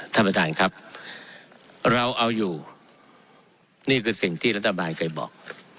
ท่านประธานครับเราเอาอยู่นี่คือสิ่งที่รัฐบาลเคยบอก